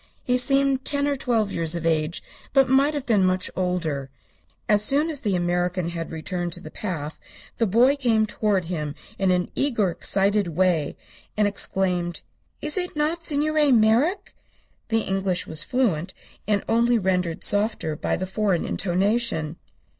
He seemed ten or twelve years of age, but might have been much older. As soon as the American had returned to the path the boy came toward him in an eager, excited way, and exclaimed: "Is it not Signor Merrick?" The English was fluent, and only rendered softer by the foreign intonation.